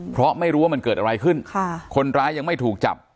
เพราะไม่รู้ว่ามันเกิดอะไรขึ้นค่ะคนร้ายยังไม่ถูกจับ